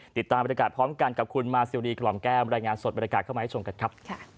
ติดตามบริการพร้อมกันกับคุณมาซิวรีกล่อมแก้มรายงานสดบรรยากาศเข้ามาให้ชมกันครับ